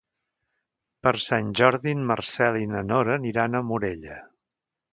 Per Sant Jordi en Marcel i na Nora aniran a Morella.